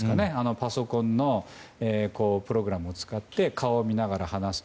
パソコンのプログラムを使って顔を見ながら話すと。